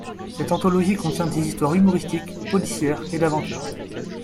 Cette anthologie contient des histoires humoristique, policière et d'aventure.